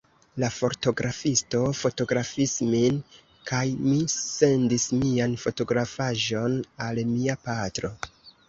La fotografisto fotografis min, kaj mi sendis mian fotografaĵon al mia patro.